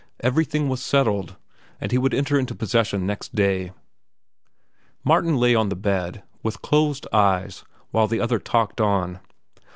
Everything was settled, and he would enter into possession next day. Martin lay on the bed, with closed eyes, while the other talked on.